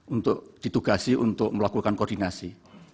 untuk ditugasi untuk melakukan koordinasi